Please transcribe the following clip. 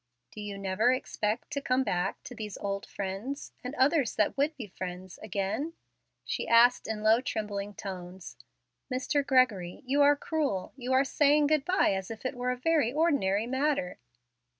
"Do you never expect to come back to these 'old friends,' and others that would be friends again?" she asked, in low, trembling tones. "Mr. Gregory, you are cruel. You are saying good by as if it were a very ordinary matter."